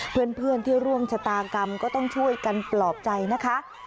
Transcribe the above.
เพื่อนที่ร่วมชะตากรรมก็ต้องช่วยกันปลอบใจนะคะ